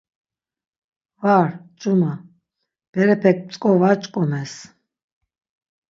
Var, cuma, berepek mtzǩo var ç̌ǩomes.